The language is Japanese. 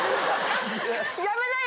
やめなよ！